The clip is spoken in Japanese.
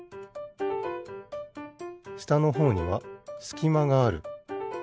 したのほうにはすきまがある。